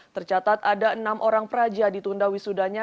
tercatat ada enam orang peraja ditunda wisudanya